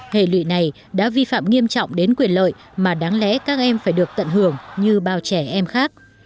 hệ lụy này đã vi phạm nghiêm trọng đến quyền lợi mà đáng lẽ các em phải được tận hưởng như bao trẻ em khác